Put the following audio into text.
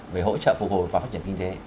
về hỗ trợ phục hồi và phát triển kinh tế